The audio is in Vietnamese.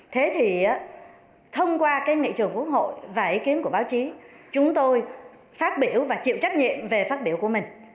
thế thì thông qua cái nghị trường quốc hội và ý kiến của báo chí chúng tôi phát biểu và chịu trách nhiệm về phát biểu của mình